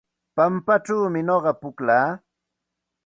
Pampachawmi nuqa pukllaa.